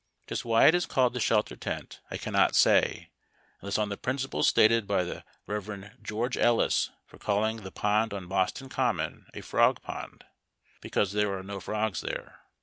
Just why it is called the shelter tent I cannot say, unless on the principle stated by tlie Rev. George Ellis for calling the pond on Boston Common a Frog Pond, viz : because there are no frogs there.